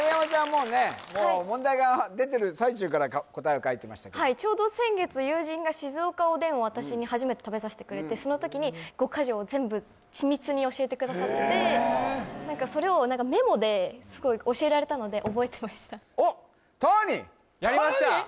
もうねもう問題が出てる最中から答えを書いてましたけどはいちょうど先月友人が静岡おでんを私に初めて食べさせてくれてその時に五ヶ条を全部緻密に教えてくださって何かそれをメモですごい教えられたので覚えてましたおっ都仁やりました